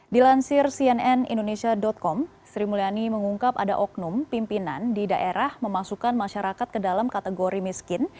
dilansir cnn indonesia com sri mulyani mengungkap ada oknum pimpinan di daerah memasukkan masyarakat ke dalam kategori miskin